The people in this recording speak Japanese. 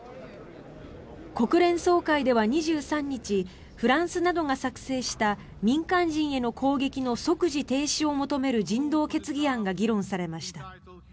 国連総会では２３日フランスなどが作成した民間人への攻撃の即時停止を求める人道決議案が議論されました。